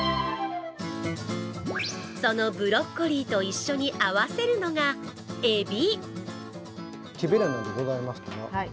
そのブロッコリーと合わせるのが、エビ。